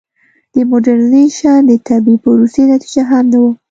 د موډرنیزېشن د طبیعي پروسې نتیجه هم نه وه.